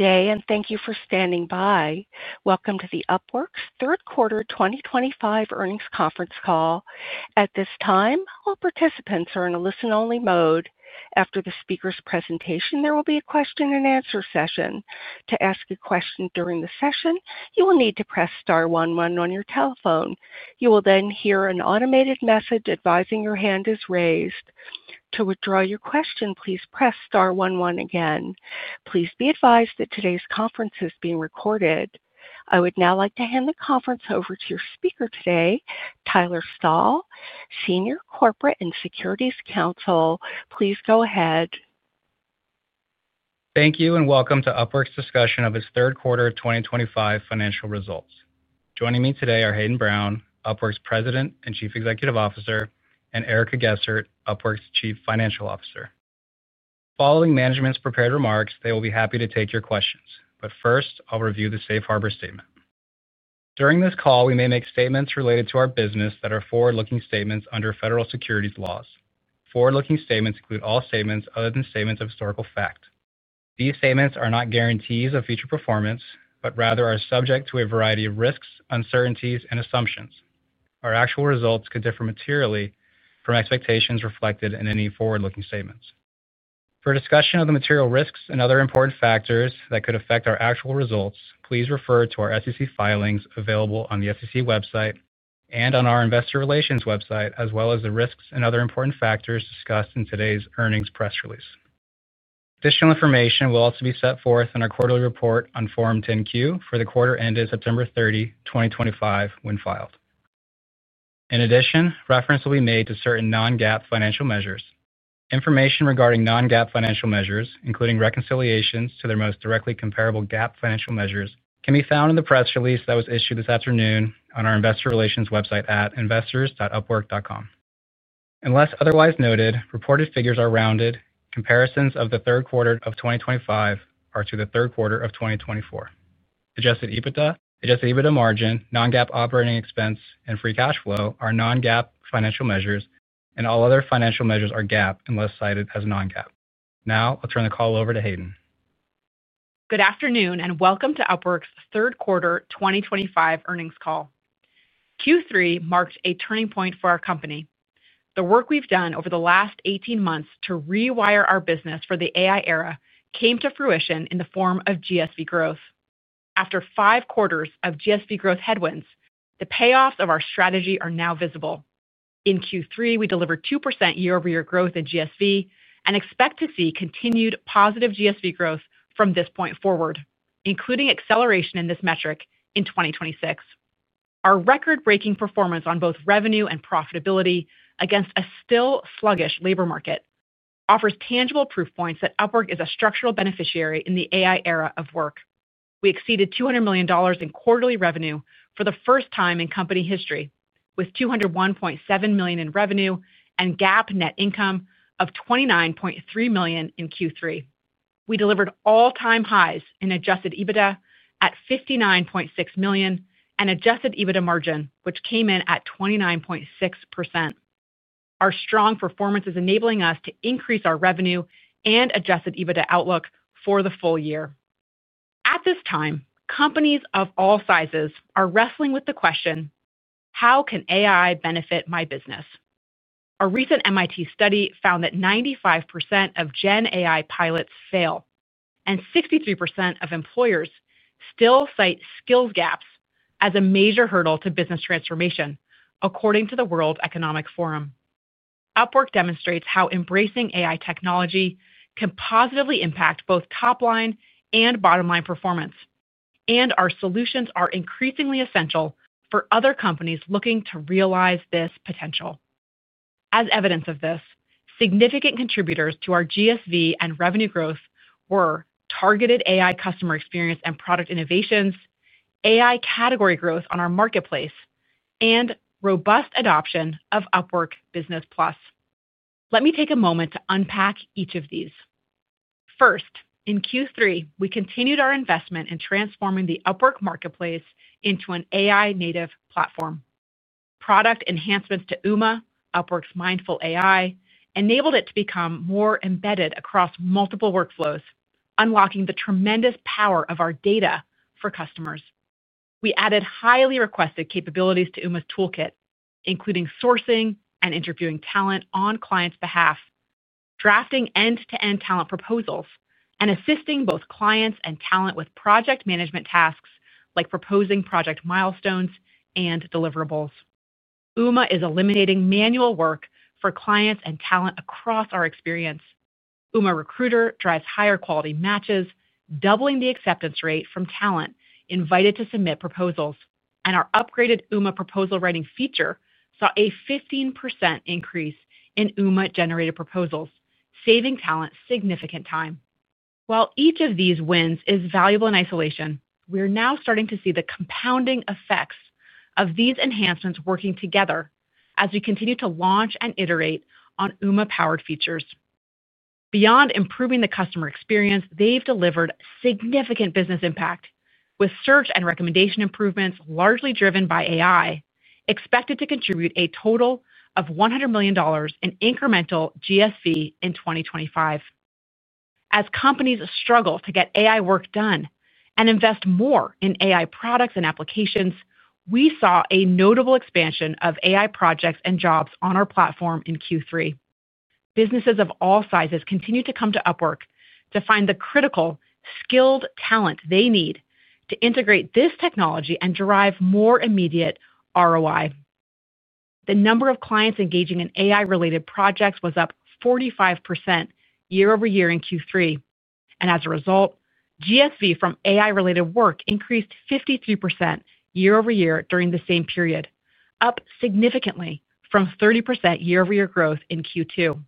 Today, and thank you for standing by. Welcome to Upwork's third quarter 2025 earnings conference call. At this time, all participants are in a listen-only mode. After the speaker's presentation, there will be a question-and-answer session. To ask a question during the session, you will need to press star one, one on your telephone. You will then hear an automated message advising your hand is raised. To withdraw your question, please press star one, one again. Please be advised that today's conference is being recorded. I would now like to hand the conference over to your speaker today, Tyler Stahl, Senior Corporate and Securities Counsel. Please go ahead. Thank you, and welcome to Upwork's discussion of its third quarter 2025 financial results. Joining me today are Hayden Brown, Upwork's President and Chief Executive Officer, and Erica Gessert, Upwork's Chief Financial Officer. Following management's prepared remarks, they will be happy to take your questions. First, I'll review the Safe Harbor statement. During this call, we may make statements related to our business that are forward-looking statements under federal securities laws. Forward-looking statements include all statements other than statements of historical fact. These statements are not guarantees of future performance, but rather are subject to a variety of risks, uncertainties, and assumptions. Our actual results could differ materially from expectations reflected in any forward-looking statements. For discussion of the material risks and other important factors that could affect our actual results, please refer to our SEC filings available on the SEC website and on our Investor Relations website, as well as the risks and other important factors discussed in today's earnings press release. Additional information will also be set forth in our quarterly report on Form 10-Q for the quarter ended September 30, 2025, when filed. In addition, reference will be made to certain non-GAAP financial measures. Information regarding non-GAAP financial measures, including reconciliations to their most directly comparable GAAP financial measures, can be found in the press release that was issued this afternoon on our Investor Relations website at investors.upwork.com. Unless otherwise noted, reported figures are rounded. Comparisons of the third quarter of 2025 are to the third quarter of 2024. Adjusted EBITDA, adjusted EBITDA margin, non-GAAP operating expense, and free cash flow are non-GAAP financial measures, and all other financial measures are GAAP unless cited as non-GAAP. Now, I'll turn the call over to Hayden. Good afternoon, and welcome to Upwork's third quarter 2025 earnings call. Q3 marked a turning point for our company. The work we've done over the last 18 months to rewire our business for the AI era came to fruition in the form of GSV growth. After five quarters of GSV growth headwinds, the payoffs of our strategy are now visible. In Q3, we delivered 2% year-over-year growth in GSV and expect to see continued positive GSV growth from this point forward, including acceleration in this metric in 2026. Our record-breaking performance on both revenue and profitability against a still sluggish labor market offers tangible proof points that Upwork is a structural beneficiary in the AI era of work. We exceeded $200 million in quarterly revenue for the first time in company history, with $201.7 million in revenue and GAAP net income of $29.3 million in Q3. We delivered all-time highs in adjusted EBITDA at $59.6 million and adjusted EBITDA margin, which came in at 29.6%. Our strong performance is enabling us to increase our revenue and adjusted EBITDA outlook for the full year. At this time, companies of all sizes are wrestling with the question, how can AI benefit my business? A recent MIT study found that 95% of GenAI pilots fail, and 63% of employers still cite skills gaps as a major hurdle to business transformation, according to the World Economic Forum. Upwork demonstrates how embracing AI technology can positively impact both top-line and bottom-line performance, and our solutions are increasingly essential for other companies looking to realize this potential. As evidence of this, significant contributors to our GSV and revenue growth were targeted AI customer experience and product innovations, AI category growth on our marketplace, and robust adoption of Upwork Business Plus. Let me take a moment to unpack each of these. First, in Q3, we continued our investment in transforming the Upwork marketplace into an AI-native platform. Product enhancements to UMA, Upwork's mindful AI, enabled it to become more embedded across multiple workflows, unlocking the tremendous power of our data for customers. We added highly requested capabilities to UMA's toolkit, including sourcing and interviewing talent on clients' behalf, drafting end-to-end talent proposals, and assisting both clients and talent with project management tasks like proposing project milestones and deliverables. UMA is eliminating manual work for clients and talent across our experience. UMA Recruiter drives higher quality matches, doubling the acceptance rate from talent invited to submit proposals, and our upgraded UMA proposal writing feature saw a 15% increase in UMA-generated proposals, saving talent significant time. While each of these wins is valuable in isolation, we're now starting to see the compounding effects of these enhancements working together as we continue to launch and iterate on UMA-powered features. Beyond improving the customer experience, they've delivered significant business impact, with search and recommendation improvements largely driven by AI expected to contribute a total of $100 million in incremental GSV in 2025. As companies struggle to get AI work done and invest more in AI products and applications, we saw a notable expansion of AI projects and jobs on our platform in Q3. Businesses of all sizes continue to come to Upwork to find the critical skilled talent they need to integrate this technology and derive more immediate ROI. The number of clients engaging in AI-related projects was up 45% year-over-year in Q3, and as a result, GSV from AI-related work increased 53% year-over-year during the same period, up significantly from 30% year-over-year growth in Q2.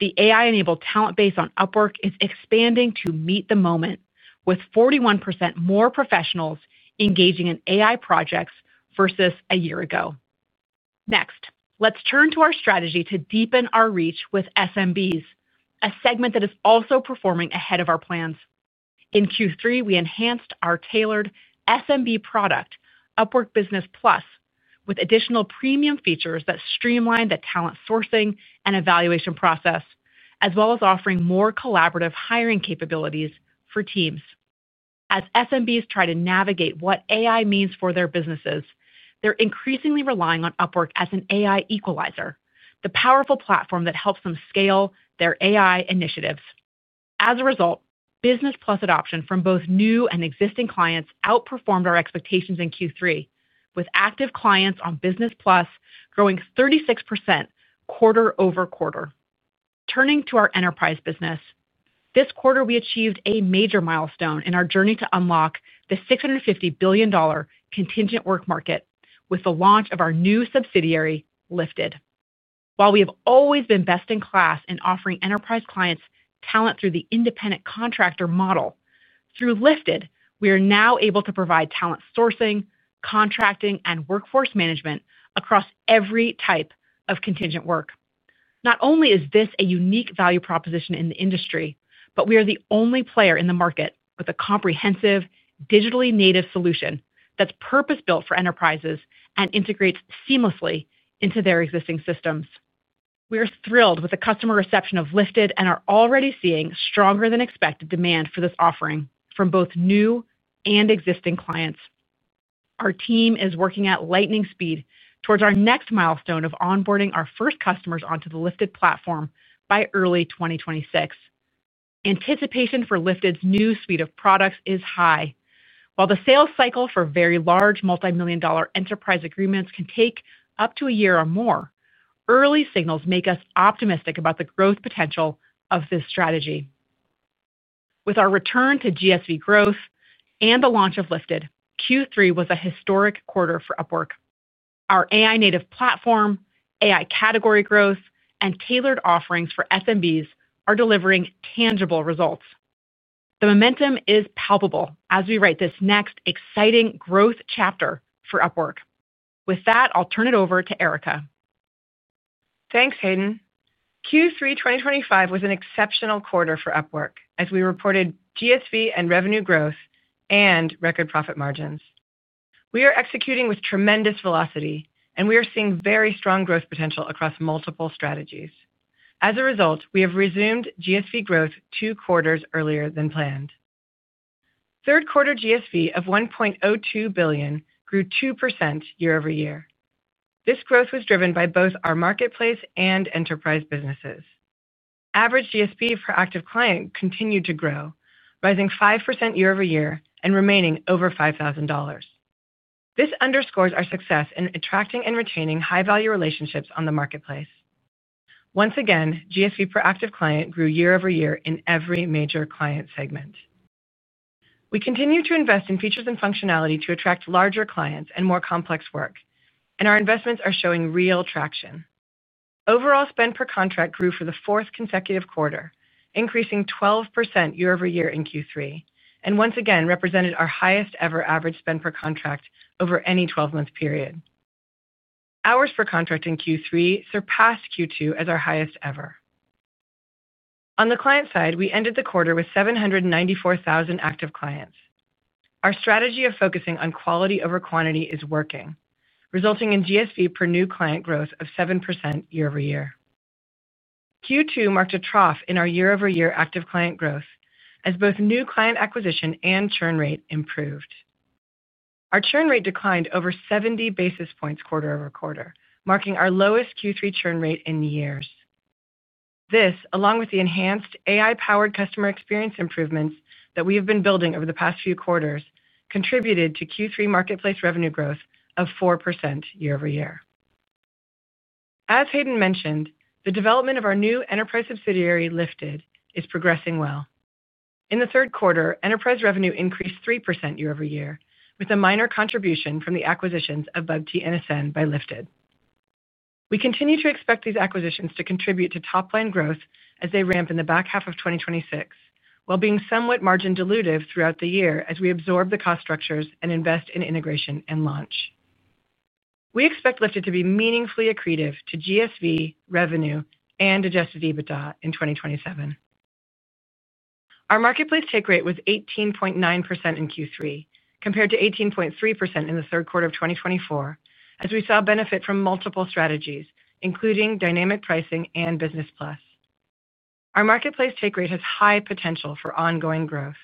The AI-enabled talent base on Upwork is expanding to meet the moment, with 41% more professionals engaging in AI projects versus a year ago. Next, let's turn to our strategy to deepen our reach with SMBs, a segment that is also performing ahead of our plans. In Q3, we enhanced our tailored SMB product, Upwork Business Plus, with additional premium features that streamline the talent sourcing and evaluation process, as well as offering more collaborative hiring capabilities for teams. As SMBs try to navigate what AI means for their businesses, they're increasingly relying on Upwork as an AI equalizer, the powerful platform that helps them scale their AI initiatives. As a result, Business Plus adoption from both new and existing clients outperformed our expectations in Q3, with active clients on Business Plus growing 36% quarter-over-quarter. Turning to our enterprise business. This quarter, we achieved a major milestone in our journey to unlock the $650 billion contingent work market with the launch of our new subsidiary, Lyft. While we have always been best in class in offering enterprise clients talent through the independent contractor model, through Lyft, we are now able to provide talent sourcing, contracting, and workforce management across every type of contingent work. Not only is this a unique value proposition in the industry, but we are the only player in the market with a comprehensive digitally native solution that's purpose-built for enterprises and integrates seamlessly into their existing systems. We are thrilled with the customer reception of Lyft and are already seeing stronger-than-expected demand for this offering from both new and existing clients. Our team is working at lightning speed towards our next milestone of onboarding our first customers onto the Lyft platform by early 2026. Anticipation for Lyft's new suite of products is high. While the sales cycle for very large multi-million dollar enterprise agreements can take up to a year or more, early signals make us optimistic about the growth potential of this strategy. With our return to GSV growth and the launch of Lyft, Q3 was a historic quarter for Upwork. Our AI-native platform, AI category growth, and tailored offerings for SMBs are delivering tangible results. The momentum is palpable as we write this next exciting growth chapter for Upwork. With that, I'll turn it over to Erica. Thanks, Hayden. Q3 2025 was an exceptional quarter for Upwork as we reported GSV and revenue growth and record profit margins. We are executing with tremendous velocity, and we are seeing very strong growth potential across multiple strategies. As a result, we have resumed GSV growth two quarters earlier than planned. Third quarter GSV of $1.02 billion grew 2% year-over-year. This growth was driven by both our marketplace and enterprise businesses. Average GSV per active client continued to grow, rising 5% year-over-year and remaining over $5,000. This underscores our success in attracting and retaining high-value relationships on the marketplace. Once again, GSV per active client grew year-over-year in every major client segment. We continue to invest in features and functionality to attract larger clients and more complex work, and our investments are showing real traction. Overall spend per contract grew for the fourth consecutive quarter, increasing 12% year-over-year in Q3, and once again represented our highest-ever average spend per contract over any 12-month period. Hours per contract in Q3 surpassed Q2 as our highest ever. On the client side, we ended the quarter with 794,000 active clients. Our strategy of focusing on quality over quantity is working, resulting in GSV per new client growth of 7% year-over-year. Q2 marked a trough in our year-over-year active client growth as both new client acquisition and churn rate improved. Our churn rate declined over 70 basis points quarter over quarter, marking our lowest Q3 churn rate in years. This, along with the enhanced AI-powered customer experience improvements that we have been building over the past few quarters, contributed to Q3 marketplace revenue growth of 4% year-over-year. As Hayden mentioned, the development of our new enterprise subsidiary, Lyft, is progressing well. In the third quarter, enterprise revenue increased 3% year-over-year, with a minor contribution from the acquisitions of Budget and Ascend by Lyft. We continue to expect these acquisitions to contribute to top-line growth as they ramp in the back half of 2026, while being somewhat margin-dilutive throughout the year as we absorb the cost structures and invest in integration and launch. We expect Lyft to be meaningfully accretive to GSV, revenue, and adjusted EBITDA in 2027. Our marketplace take rate was 18.9% in Q3, compared to 18.3% in the third quarter of 2024, as we saw benefit from multiple strategies, including dynamic pricing and Business Plus. Our marketplace take rate has high potential for ongoing growth.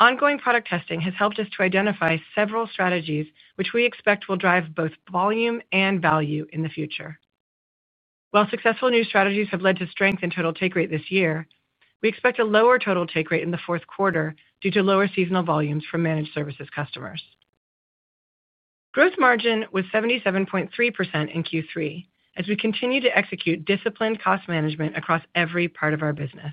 Ongoing product testing has helped us to identify several strategies which we expect will drive both volume and value in the future. While successful new strategies have led to strength in total take rate this year, we expect a lower total take rate in the fourth quarter due to lower seasonal volumes from managed services customers. Growth margin was 77.3% in Q3 as we continue to execute disciplined cost management across every part of our business.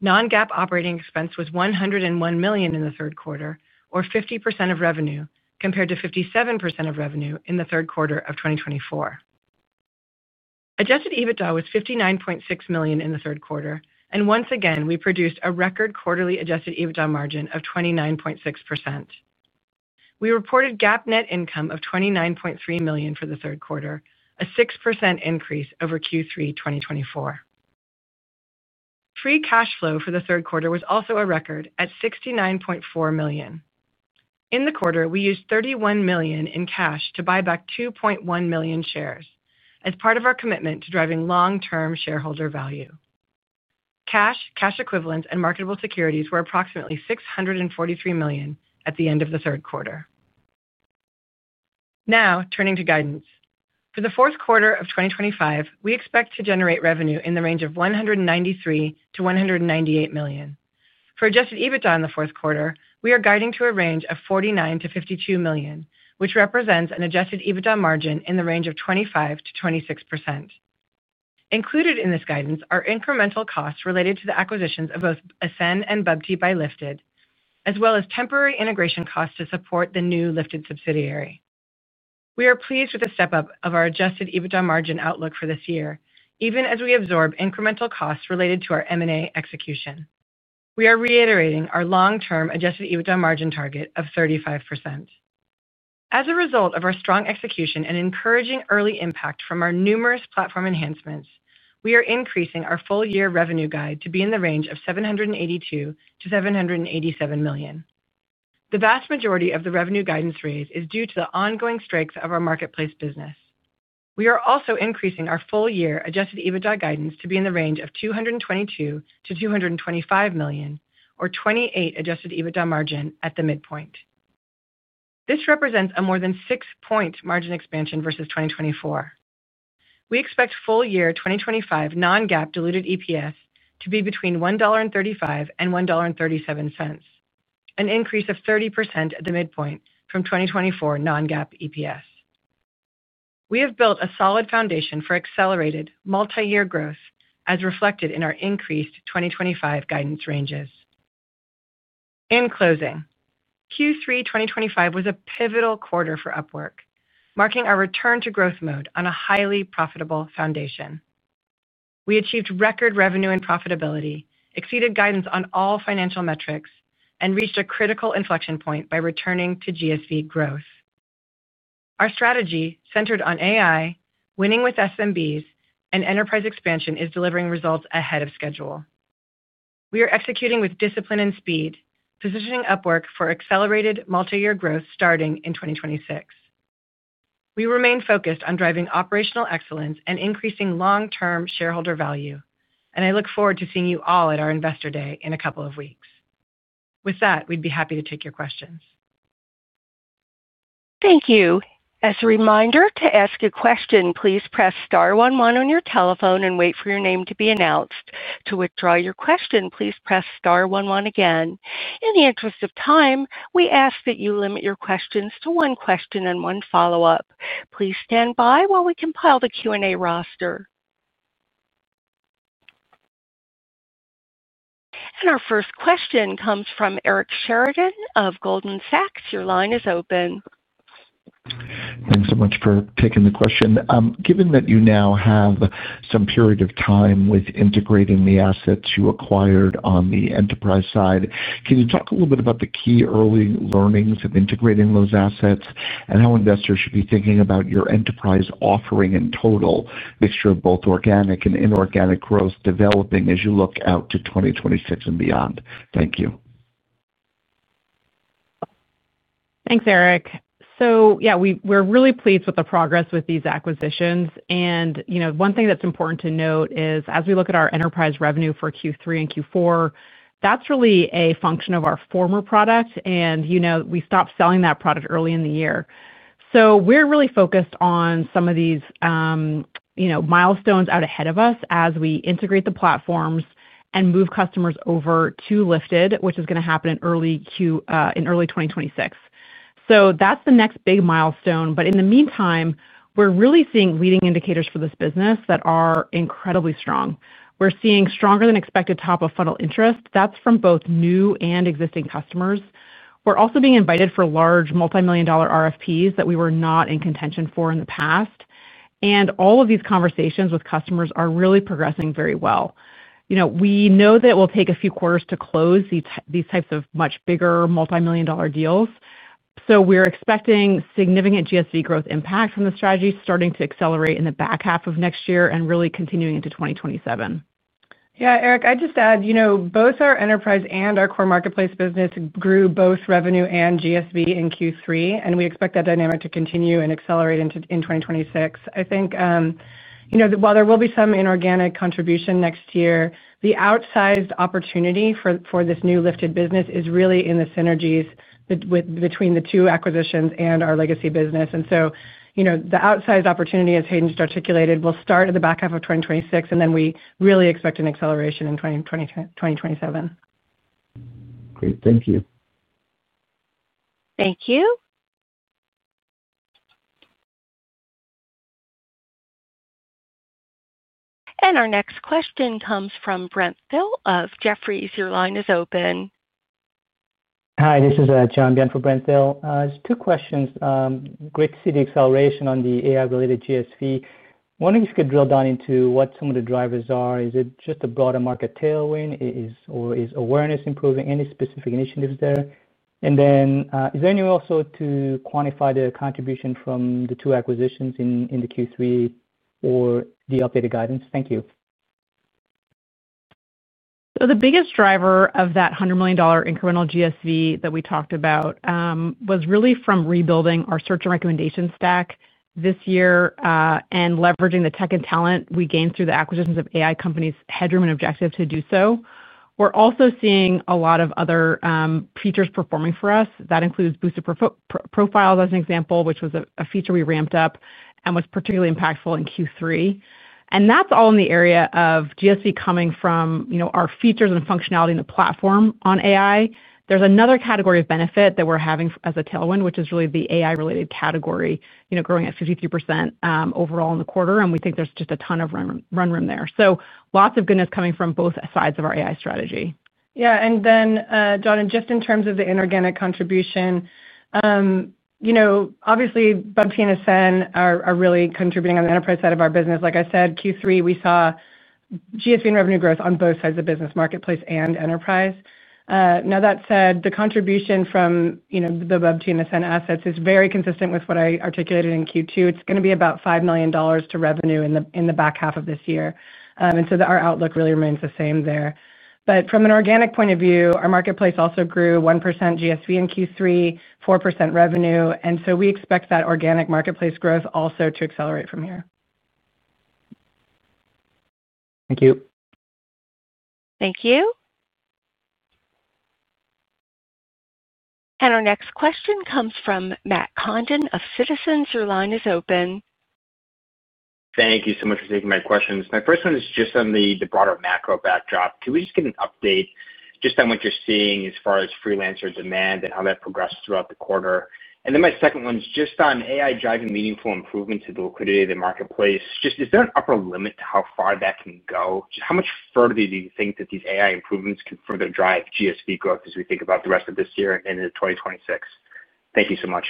Non-GAAP operating expense was $101 million in the third quarter, or 50% of revenue, compared to 57% of revenue in the third quarter of 2024. Adjusted EBITDA was $59.6 million in the third quarter, and once again, we produced a record quarterly adjusted EBITDA margin of 29.6%. We reported GAAP net income of $29.3 million for the third quarter, a 6% increase over Q3 2024. Free cash flow for the third quarter was also a record at $69.4 million. In the quarter, we used $31 million in cash to buy back 2.1 million shares as part of our commitment to driving long-term shareholder value. Cash, cash equivalents, and marketable securities were approximately $643 million at the end of the third quarter. Now, turning to guidance. For the fourth quarter of 2025, we expect to generate revenue in the range of $193-$198 million. For adjusted EBITDA in the fourth quarter, we are guiding to a range of $49 million-$52 million, which represents an adjusted EBITDA margin in the range of 25%-26%. Included in this guidance are incremental costs related to the acquisitions of both Ascend and Bugt by Upwork, as well as temporary integration costs to support the new Lyft subsidiary. We are pleased with the step-up of our adjusted EBITDA margin outlook for this year, even as we absorb incremental costs related to our M&A execution. We are reiterating our long-term adjusted EBITDA margin target of 35%. As a result of our strong execution and encouraging early impact from our numerous platform enhancements, we are increasing our full-year revenue guide to be in the range of $782 million-$787 million. The vast majority of the revenue guidance raise is due to the ongoing strength of our marketplace business. We are also increasing our full-year adjusted EBITDA guidance to be in the range of $222 million-$225 million, or 28% adjusted EBITDA margin at the midpoint. This represents a more than six-point margin expansion versus 2024. We expect full-year 2025 non-GAAP diluted EPS to be between $1.35 and $1.37, an increase of 30% at the midpoint from 2024 non-GAAP EPS. We have built a solid foundation for accelerated multi-year growth, as reflected in our increased 2025 guidance ranges. In closing, Q3 2025 was a pivotal quarter for Upwork, marking our return to growth mode on a highly profitable foundation. We achieved record revenue and profitability, exceeded guidance on all financial metrics, and reached a critical inflection point by returning to GSV growth. Our strategy, centered on AI, winning with SMBs, and enterprise expansion, is delivering results ahead of schedule. We are executing with discipline and speed, positioning Upwork for accelerated multi-year growth starting in 2026. We remain focused on driving operational excellence and increasing long-term shareholder value, and I look forward to seeing you all at our Investor Day in a couple of weeks. With that, we'd be happy to take your questions. Thank you. As a reminder, to ask a question, please press star one, one on your telephone and wait for your name to be announced. To withdraw your question, please press star one, one again. In the interest of time, we ask that you limit your questions to one question and one follow-up. Please stand by while we compile the Q&A roster. Our first question comes from Eric Sheridan of Goldman Sachs. Your line is open. Thanks so much for taking the question. Given that you now have some period of time with integrating the assets you acquired on the enterprise side, can you talk a little bit about the key early learnings of integrating those assets and how investors should be thinking about your enterprise offering in total, a mixture of both organic and inorganic growth developing as you look out to 2026 and beyond? Thank you. Thanks, Eric. So yeah, we're really pleased with the progress with these acquisitions. One thing that's important to note is, as we look at our enterprise revenue for Q3 and Q4, that's really a function of our former product, and we stopped selling that product early in the year. We're really focused on some of these milestones out ahead of us as we integrate the platforms and move customers over to Lyft, which is going to happen in early 2026. That's the next big milestone. In the meantime, we're really seeing leading indicators for this business that are incredibly strong. We're seeing stronger-than-expected top-of-funnel interest. That's from both new and existing customers. We're also being invited for large multi-million dollar RFPs that we were not in contention for in the past. All of these conversations with customers are really progressing very well. We know that it will take a few quarters to close these types of much bigger multi-million dollar deals. We're expecting significant GSV growth impact from the strategy starting to accelerate in the back half of next year and really continuing into 2027. Yeah, Eric, I'd just add both our enterprise and our core marketplace business grew both revenue and GSV in Q3, and we expect that dynamic to continue and accelerate in 2026. I think while there will be some inorganic contribution next year, the outsized opportunity for this new Lyft business is really in the synergies between the two acquisitions and our legacy business. The outsized opportunity, as Hayden just articulated, will start in the back half of 2026, and then we really expect an acceleration in 2027. Great. Thank you. Thank you. Our next question comes from Brent Thill of Jefferies. Your line is open. Hi, this is John Benn for Brent Thill. Just two questions. Great to see the acceleration on the AI-related GSV. I wonder if you could drill down into what some of the drivers are. Is it just a broader market tailwind, or is awareness improving? Any specific initiatives there? Is there any way also to quantify the contribution from the two acquisitions in the Q3 or the updated guidance? Thank you. The biggest driver of that $100 million incremental GSV that we talked about was really from rebuilding our search and recommendation stack this year and leveraging the tech and talent we gained through the acquisitions of AI companies Hedgery and Objective to do so. We're also seeing a lot of other features performing for us. That includes boosted profiles, as an example, which was a feature we ramped up and was particularly impactful in Q3. That's all in the area of GSV coming from our features and functionality in the platform on AI. There's another category of benefit that we're having as a tailwind, which is really the AI-related category, growing at 53% overall in the quarter, and we think there's just a ton of run room there. Lots of goodness coming from both sides of our AI strategy. Yeah. Then, John, just in terms of the inorganic contribution. Obviously, Bugt and Ascend are really contributing on the enterprise side of our business. Like I said, Q3, we saw GSV and revenue growth on both sides of the business, marketplace and enterprise. That said, the contribution from the Bugt and Ascend assets is very consistent with what I articulated in Q2. It's going to be about $5 million to revenue in the back half of this year. Our outlook really remains the same there. From an organic point of view, our marketplace also grew 1% GSV in Q3, 4% revenue. We expect that organic marketplace growth also to accelerate from here. Thank you. Thank you. Our next question comes from Matt Condon of Citizens. Your line is open. Thank you so much for taking my questions. My first one is just on the broader macro backdrop. Can we just get an update just on what you're seeing as far as freelancer demand and how that progressed throughout the quarter? My second one is just on AI driving meaningful improvement to the liquidity of the marketplace. Is there an upper limit to how far that can go? How much further do you think that these AI improvements can further drive GSV growth as we think about the rest of this year and into 2026? Thank you so much.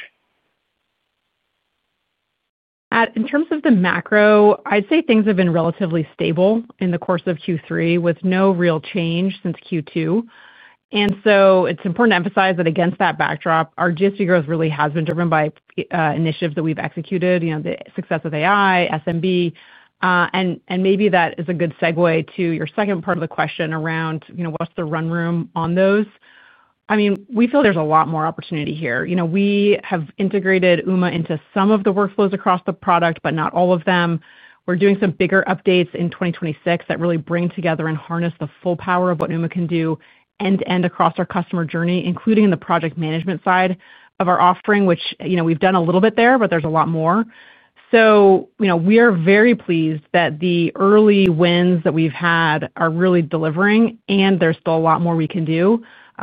In terms of the macro, I'd say things have been relatively stable in the course of Q3, with no real change since Q2. It is important to emphasize that against that backdrop, our GSV growth really has been driven by initiatives that we've executed, the success with AI, SMB. Maybe that is a good segue to your second part of the question around what's the run room on those. I mean, we feel there's a lot more opportunity here. We have integrated UMA into some of the workflows across the product, but not all of them. We're doing some bigger updates in 2026 that really bring together and harness the full power of what UMA can do end-to-end across our customer journey, including in the project management side of our offering, which we've done a little bit there, but there's a lot more. We are very pleased that the early wins that we've had are really delivering, and there's still a lot more we can do,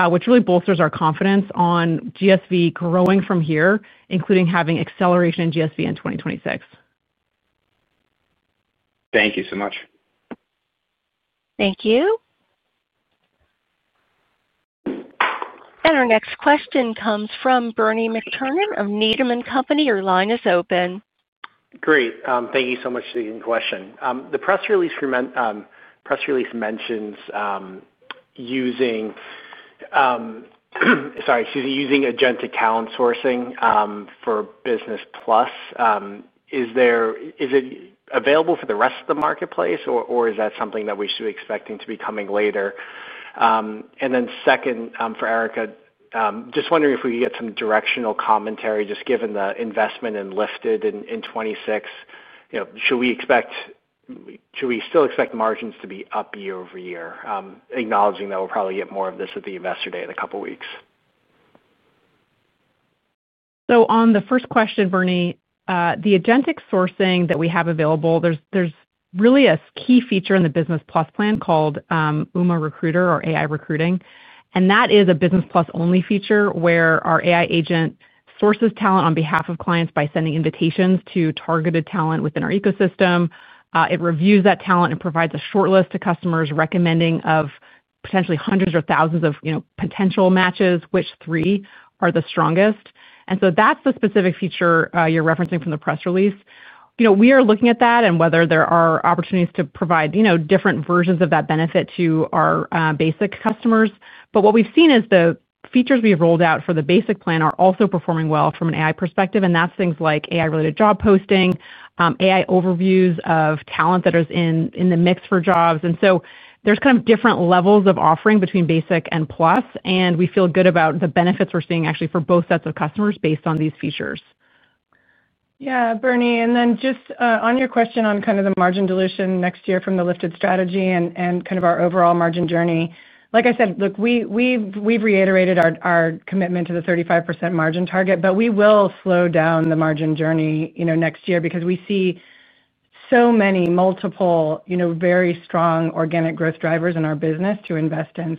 which really bolsters our confidence on GSV growing from here, including having acceleration in GSV in 2026. Thank you so much. Thank you. Our next question comes from Bernie McTernan of Needham & Company. Your line is open. Great. Thank you so much for the question. The press release mentions using agent account sourcing for Business Plus. Is it available for the rest of the marketplace, or is that something that we should be expecting to be coming later? Second, for Erica, just wondering if we could get some directional commentary, just given the investment in Lyft in 2026. Should we still expect margins to be up year over year, acknowledging that we'll probably get more of this at the Investor Day in a couple of weeks? On the first question, Bernie, the agentic sourcing that we have available, there's really a key feature in the Business Plus plan called UMA Recruiter or AI Recruiting. That is a Business Plus-only feature where our AI agent sources talent on behalf of clients by sending invitations to targeted talent within our ecosystem. It reviews that talent and provides a short list to customers recommending, of potentially hundreds or thousands of potential matches, which three are the strongest. That's the specific feature you're referencing from the press release. We are looking at that and whether there are opportunities to provide different versions of that benefit to our basic customers. What we've seen is the features we've rolled out for the basic plan are also performing well from an AI perspective, and that's things like AI-related job posting, AI overviews of talent that is in the mix for jobs. There's kind of different levels of offering between basic and plus, and we feel good about the benefits we're seeing actually for both sets of customers based on these features. Yeah, Bernie. Just on your question on kind of the margin dilution next year from the Lyft strategy and kind of our overall margin journey, like I said, look, we've reiterated our commitment to the 35% margin target, but we will slow down the margin journey next year because we see so many multiple, very strong organic growth drivers in our business to invest in.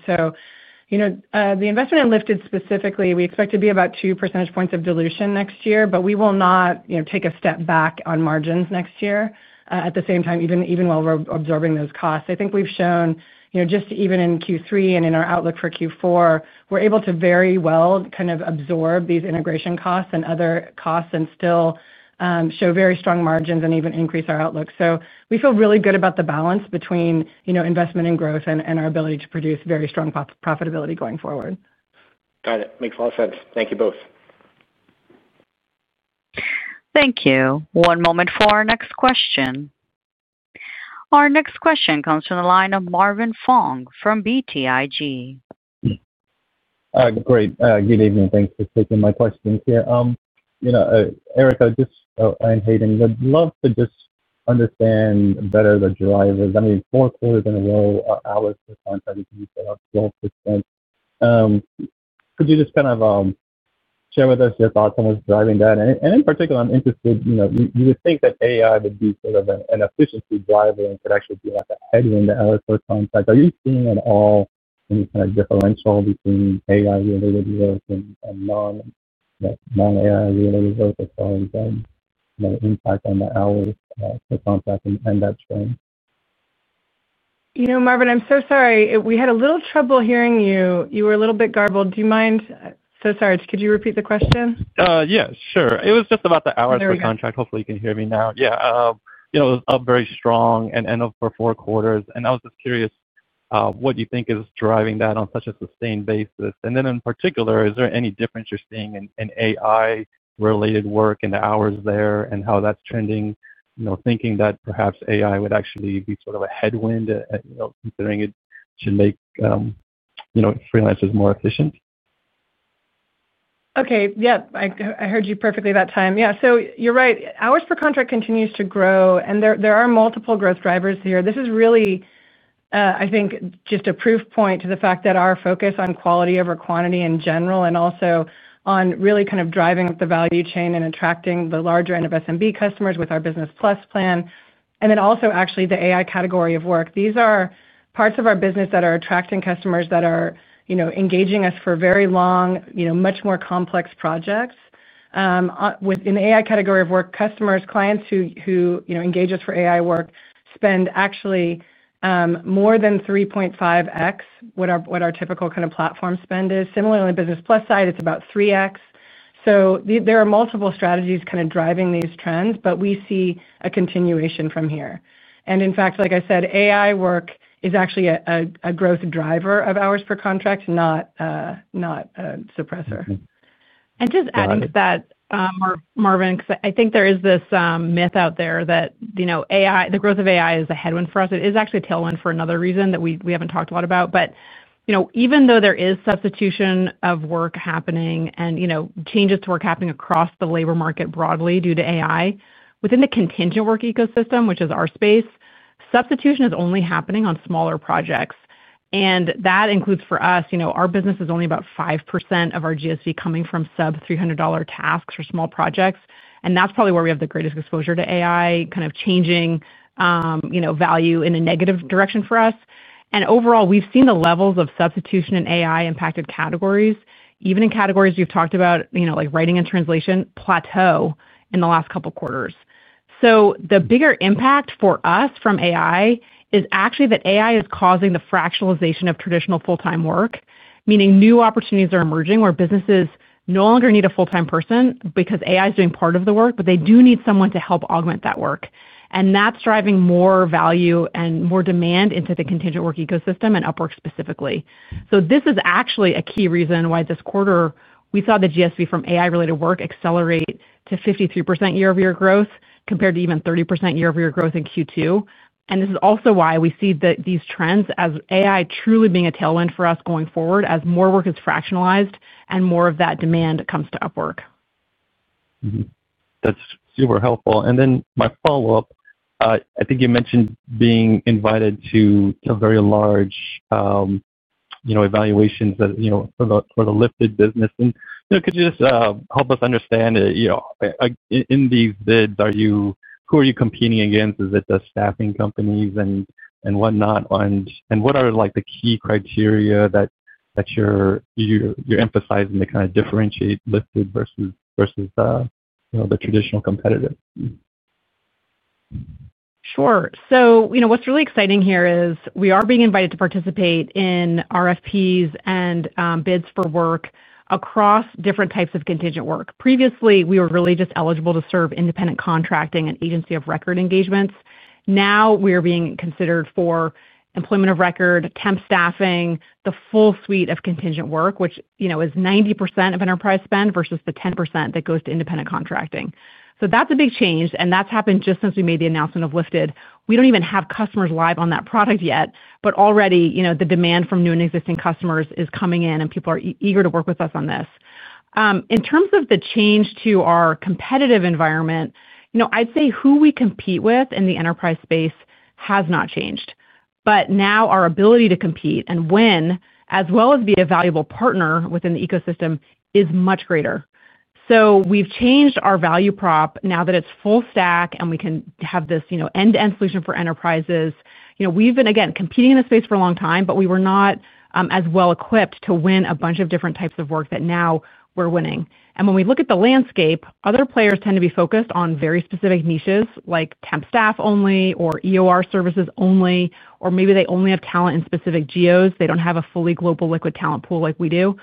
The investment in Lyft specifically, we expect to be about two percentage points of dilution next year, but we will not take a step back on margins next year at the same time, even while we're absorbing those costs. I think we've shown just even in Q3 and in our outlook for Q4, we're able to very well kind of absorb these integration costs and other costs and still show very strong margins and even increase our outlook. We feel really good about the balance between investment and growth and our ability to produce very strong profitability going forward. Got it. Makes a lot of sense. Thank you both. Thank you. One moment for our next question. Our next question comes from the line of Marvin Fong from BTIG. Great. Good evening. Thanks for taking my questions here. Erica, just, I'm Hayden. I'd love to just understand better the drivers. I mean, four quarters in a row, our hours per contract have been set up 12%. Could you just kind of share with us your thoughts on what's driving that? And in particular, I'm interested. You would think that AI would be sort of an efficiency driver and could actually be like a headwind to hours per contract. Are you seeing at all any kind of differential between AI-related work and non-AI-related work as far as the impact on the hours per contract and that trend? Marvin, I'm so sorry. We had a little trouble hearing you. You were a little bit garbled. Do you mind? So sorry. Could you repeat the question? Yeah, sure. It was just about the hours per contract. Hopefully, you can hear me now. Yeah. It was a very strong end of four quarters. I was just curious what you think is driving that on such a sustained basis. In particular, is there any difference you're seeing in AI-related work and the hours there and how that's trending, thinking that perhaps AI would actually be sort of a headwind considering it should make freelancers more efficient? Okay. Yeah. I heard you perfectly that time. Yeah. You're right. Hours per contract continues to grow, and there are multiple growth drivers here. This is really, I think, just a proof point to the fact that our focus on quality over quantity in general and also on really kind of driving the value chain and attracting the larger end of SMB customers with our Business Plus plan, and then also actually the AI category of work. These are parts of our business that are attracting customers that are engaging us for very long, much more complex projects. In the AI category of work, customers, clients who engage us for AI work spend actually more than 3.5x what our typical kind of platform spend is. Similarly, on the Business Plus side, it's about 3x. There are multiple strategies kind of driving these trends, but we see a continuation from here. In fact, like I said, AI work is actually a growth driver of hours per contract, not a suppressor. Just adding to that, Marvin, because I think there is this myth out there that the growth of AI is a headwind for us. It is actually a tailwind for another reason that we haven't talked a lot about. Even though there is substitution of work happening and changes to work happening across the labor market broadly due to AI, within the contingent work ecosystem, which is our space, substitution is only happening on smaller projects. That includes for us, our business is only about 5% of our GSV coming from sub-$300 tasks for small projects. That is probably where we have the greatest exposure to AI kind of changing value in a negative direction for us. Overall, we've seen the levels of substitution in AI-impacted categories, even in categories we've talked about like writing and translation, plateau in the last couple of quarters. The bigger impact for us from AI is actually that AI is causing the fractionalization of traditional full-time work, meaning new opportunities are emerging where businesses no longer need a full-time person because AI is doing part of the work, but they do need someone to help augment that work. That is driving more value and more demand into the contingent work ecosystem and Upwork specifically. This is actually a key reason why this quarter we saw the GSV from AI-related work accelerate to 53% year-over-year growth compared to even 30% year-over-year growth in Q2. This is also why we see these trends as AI truly being a tailwind for us going forward as more work is fractionalized and more of that demand comes to Upwork. That's super helpful. Then my follow-up, I think you mentioned being invited to some very large evaluations for the Lyft business. Could you just help us understand, in these bids, who are you competing against? Is it the staffing companies and whatnot? What are the key criteria that you're emphasizing to kind of differentiate Lyft versus the traditional competitor? Sure. What is really exciting here is we are being invited to participate in RFPs and bids for work across different types of contingent work. Previously, we were really just eligible to serve independent contracting and agency of record engagements. Now we are being considered for employment of record, temp staffing, the full suite of contingent work, which is 90% of enterprise spend versus the 10% that goes to independent contracting. That is a big change. That has happened just since we made the announcement of Lyft. We do not even have customers live on that product yet, but already the demand from new and existing customers is coming in, and people are eager to work with us on this. In terms of the change to our competitive environment, I would say who we compete with in the enterprise space has not changed. Now our ability to compete and win, as well as be a valuable partner within the ecosystem, is much greater. We have changed our value prop now that it is full stack and we can have this end-to-end solution for enterprises. We have been, again, competing in this space for a long time, but we were not as well equipped to win a bunch of different types of work that now we are winning. When we look at the landscape, other players tend to be focused on very specific niches like temp staff only or EOR services only, or maybe they only have talent in specific geos. They do not have a fully global liquid talent pool like we do.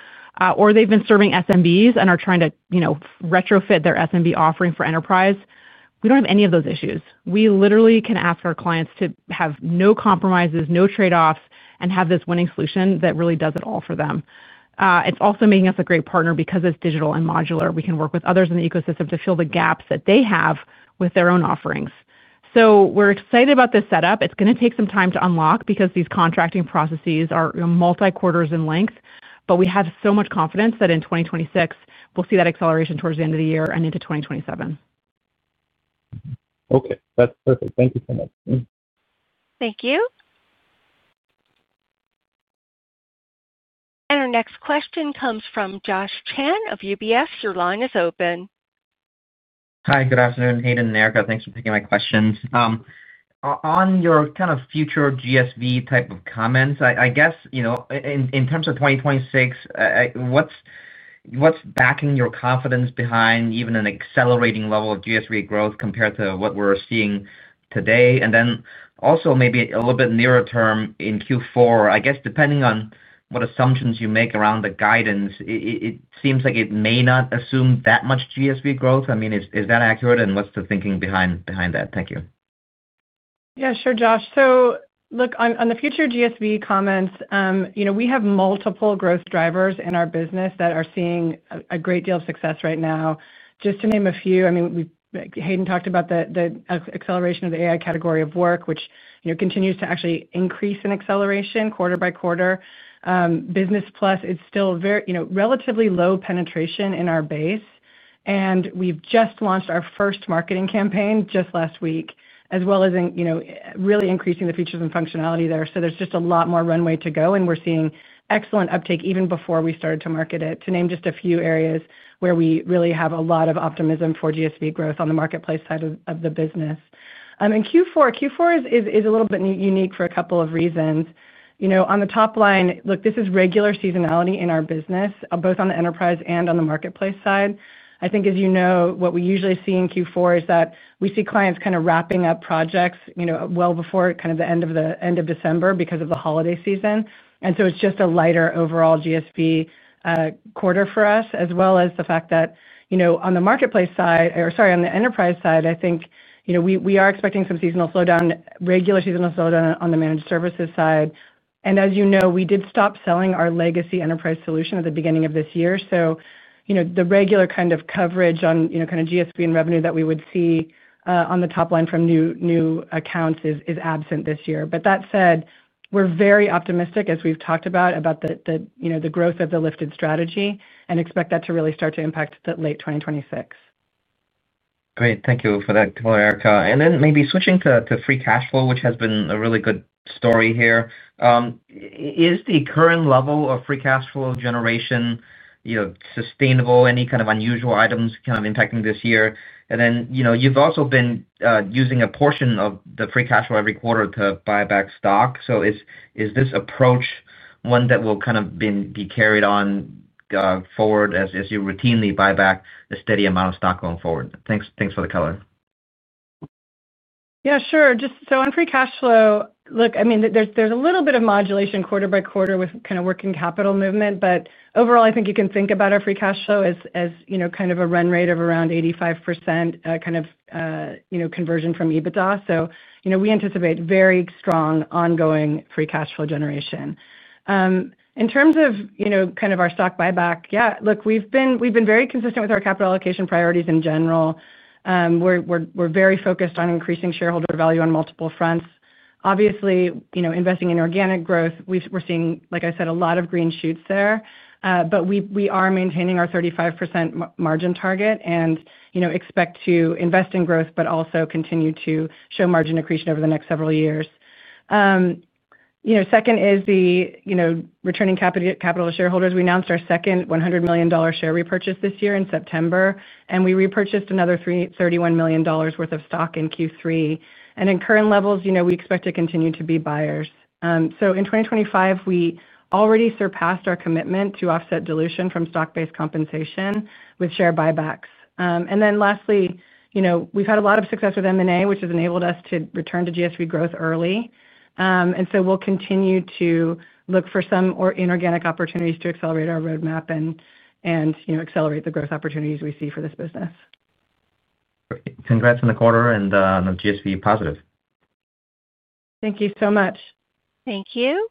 Or they have been serving SMBs and are trying to retrofit their SMB offering for enterprise. We do not have any of those issues. We literally can ask our clients to have no compromises, no trade-offs, and have this winning solution that really does it all for them. It is also making us a great partner because it is digital and modular. We can work with others in the ecosystem to fill the gaps that they have with their own offerings. We are excited about this setup. It is going to take some time to unlock because these contracting processes are multi-quarters in length, but we have so much confidence that in 2026, we will see that acceleration towards the end of the year and into 2027. Okay. That's perfect. Thank you so much. Thank you. Our next question comes from Josh Chan of UBS. Your line is open. Hi, good afternoon, Hayden and Erica. Thanks for taking my questions. On your kind of future GSV type of comments, I guess. In terms of 2026, what's backing your confidence behind even an accelerating level of GSV growth compared to what we're seeing today? Also maybe a little bit nearer term in Q4, I guess, depending on what assumptions you make around the guidance, it seems like it may not assume that much GSV growth. I mean, is that accurate? What's the thinking behind that? Thank you. Yeah, sure, Josh. So look, on the future GSV comments, we have multiple growth drivers in our business that are seeing a great deal of success right now. Just to name a few, I mean, Hayden talked about the acceleration of the AI category of work, which continues to actually increase in acceleration quarter by quarter. Business Plus is still relatively low penetration in our base. And we've just launched our first marketing campaign just last week, as well as really increasing the features and functionality there. So there's just a lot more runway to go, and we're seeing excellent uptake even before we started to market it, to name just a few areas where we really have a lot of optimism for GSV growth on the marketplace side of the business. In Q4, Q4 is a little bit unique for a couple of reasons. On the top line, look, this is regular seasonality in our business, both on the enterprise and on the marketplace side. I think, as you know, what we usually see in Q4 is that we see clients kind of wrapping up projects well before kind of the end of December because of the holiday season. And so it's just a lighter overall GSV quarter for us, as well as the fact that on the marketplace side, or sorry, on the enterprise side, I think we are expecting some seasonal slowdown, regular seasonal slowdown on the managed services side. And as you know, we did stop selling our legacy enterprise solution at the beginning of this year. So the regular kind of coverage on kind of GSV and revenue that we would see on the top line from new accounts is absent this year. That said, we're very optimistic, as we've talked about, about the growth of the Lyft strategy and expect that to really start to impact late 2026. Great. Thank you for that, Erica. Maybe switching to free cash flow, which has been a really good story here. Is the current level of free cash flow generation sustainable? Any kind of unusual items kind of impacting this year? You have also been using a portion of the free cash flow every quarter to buy back stock. Is this approach one that will be carried on forward as you routinely buy back a steady amount of stock going forward? Thanks for the color. Yeah, sure. So on free cash flow, look, I mean, there's a little bit of modulation quarter by quarter with kind of working capital movement, but overall, I think you can think about our free cash flow as kind of a run rate of around 85% kind of conversion from EBITDA. We anticipate very strong ongoing free cash flow generation. In terms of kind of our stock buyback, yeah, look, we've been very consistent with our capital allocation priorities in general. We're very focused on increasing shareholder value on multiple fronts. Obviously, investing in organic growth, we're seeing, like I said, a lot of green shoots there. We are maintaining our 35% margin target and expect to invest in growth, but also continue to show margin accretion over the next several years. Second is returning capital to shareholders. We announced our second $100 million share repurchase this year in September, and we repurchased another $31 million worth of stock in Q3. At current levels, we expect to continue to be buyers. In 2025, we already surpassed our commitment to offset dilution from stock-based compensation with share buybacks. Lastly, we've had a lot of success with M&A, which has enabled us to return to GSV growth early. We will continue to look for some inorganic opportunities to accelerate our roadmap and accelerate the growth opportunities we see for this business. Congrats on the quarter and GSV positive. Thank you so much. Thank you.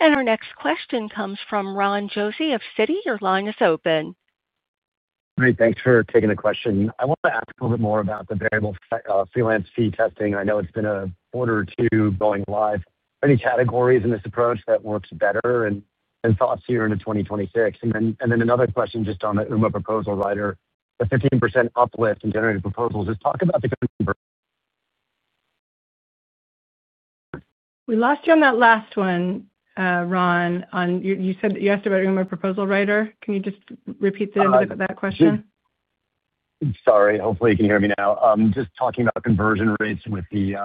Our next question comes from Ron Josie of Citi. Your line is open. Great. Thanks for taking the question. I want to ask a little bit more about the variable freelance fee testing. I know it's been a quarter or two going live. Any categories in this approach that work better and thoughts here into 2026? Another question just on the UMA proposal writer, the 15% uplift in generated proposals. Just talk about the conversion. We lost you on that last one, Ron. You asked about UMA proposal writer. Can you just repeat the end of that question? Sorry. Hopefully, you can hear me now. Just talking about conversion rates with the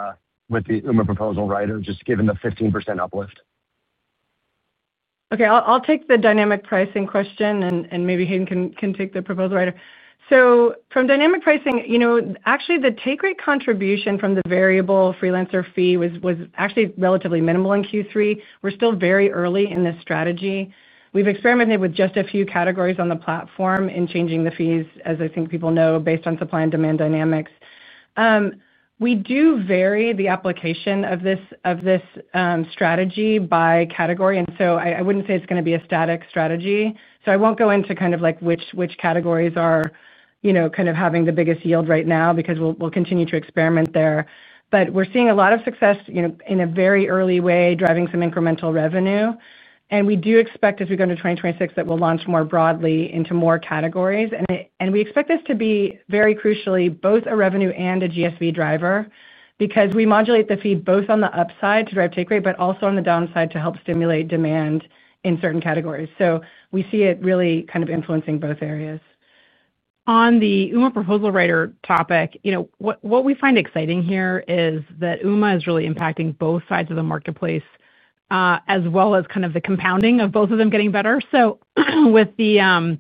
UMA proposal writer, just given the 15% uplift. Okay. I'll take the dynamic pricing question, and maybe Hayden can take the proposal writer. From dynamic pricing, actually, the take rate contribution from the variable freelancer fee was actually relatively minimal in Q3. We're still very early in this strategy. We've experimented with just a few categories on the platform in changing the fees, as I think people know, based on supply and demand dynamics. We do vary the application of this strategy by category. I wouldn't say it's going to be a static strategy. I won't go into kind of which categories are kind of having the biggest yield right now because we'll continue to experiment there. We're seeing a lot of success in a very early way, driving some incremental revenue. We do expect, as we go into 2026, that we'll launch more broadly into more categories. We expect this to be very crucially both a revenue and a GSV driver because we modulate the fee both on the upside to drive take rate, but also on the downside to help stimulate demand in certain categories. We see it really kind of influencing both areas. On the UMA proposal writer topic, what we find exciting here is that UMA is really impacting both sides of the marketplace as well as kind of the compounding of both of them getting better. With the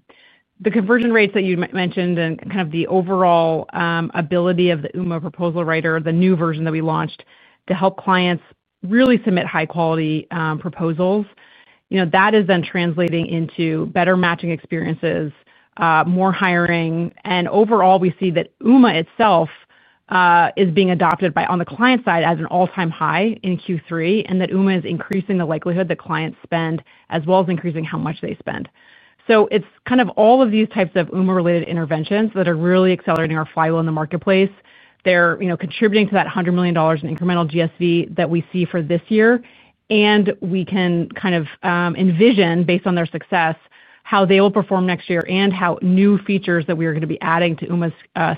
conversion rates that you mentioned and kind of the overall ability of the UMA proposal writer, the new version that we launched to help clients really submit high-quality proposals, that is then translating into better matching experiences, more hiring. Overall, we see that UMA itself is being adopted on the client side at an all-time high in Q3, and that UMA is increasing the likelihood that clients spend as well as increasing how much they spend. It is kind of all of these types of UMA-related interventions that are really accelerating our flywheel in the marketplace. They are contributing to that $100 million in incremental GSV that we see for this year. We can kind of envision, based on their success, how they will perform next year and how new features that we are going to be adding to UMA's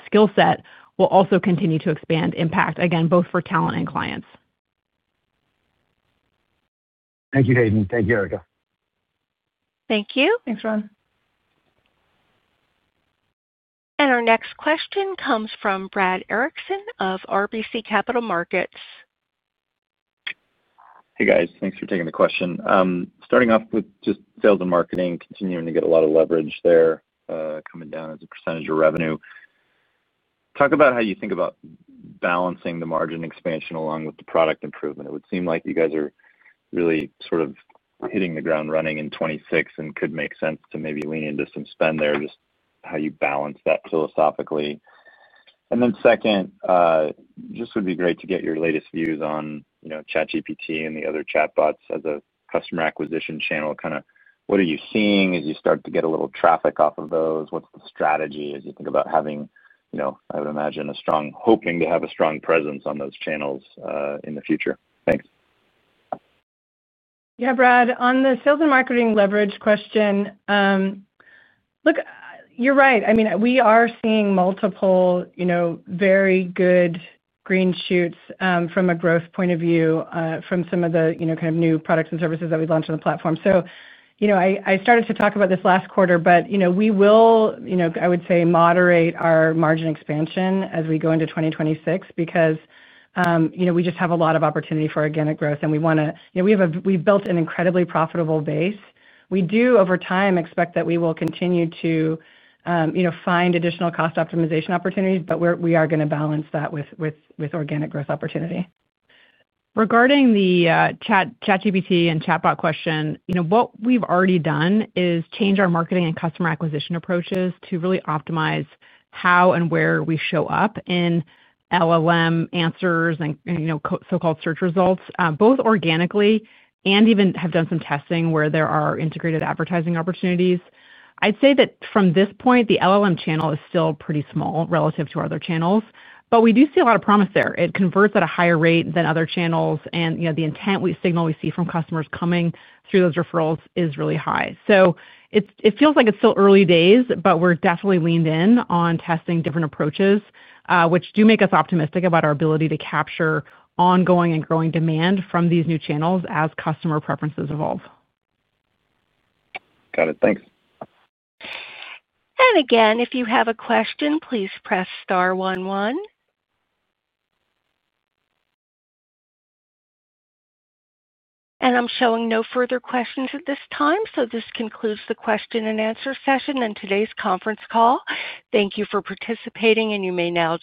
skill set will also continue to expand impact, again, both for talent and clients. Thank you, Hayden. Thank you, Erica. Thank you. Our next question comes from Brad Erickson of RBC Capital Markets. Hey, guys. Thanks for taking the question. Starting off with just sales and marketing, continuing to get a lot of leverage there, coming down as a percentage of revenue. Talk about how you think about balancing the margin expansion along with the product improvement. It would seem like you guys are really sort of hitting the ground running in 2026 and could make sense to maybe lean into some spend there, just how you balance that philosophically. Then second, just would be great to get your latest views on ChatGPT and the other chatbots as a customer acquisition channel. Kind of what are you seeing as you start to get a little traffic off of those? What's the strategy as you think about having, I would imagine, a strong, hoping to have a strong presence on those channels in the future? Thanks. Yeah, Brad, on the sales and marketing leverage question. Look, you're right. I mean, we are seeing multiple very good green shoots from a growth point of view from some of the kind of new products and services that we've launched on the platform. I started to talk about this last quarter, but we will, I would say, moderate our margin expansion as we go into 2026 because we just have a lot of opportunity for organic growth, and we want to, we've built an incredibly profitable base. We do, over time, expect that we will continue to find additional cost optimization opportunities, but we are going to balance that with organic growth opportunity. Regarding the ChatGPT and chatbot question, what we've already done is change our marketing and customer acquisition approaches to really optimize how and where we show up in LLM answers and so-called search results, both organically and even have done some testing where there are integrated advertising opportunities. I'd say that from this point, the LLM channel is still pretty small relative to our other channels, but we do see a lot of promise there. It converts at a higher rate than other channels, and the intent signal we see from customers coming through those referrals is really high. It feels like it's still early days, but we're definitely leaned in on testing different approaches, which do make us optimistic about our ability to capture ongoing and growing demand from these new channels as customer preferences evolve. Got it. Thanks. If you have a question, please press star one one. I'm showing no further questions at this time, so this concludes the question and answer session and today's conference call. Thank you for participating, and you may now disconnect.